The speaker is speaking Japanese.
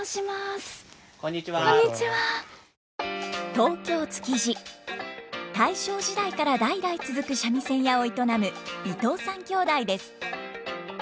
東京・築地大正時代から代々続く三味線屋を営む伊藤さん兄弟です。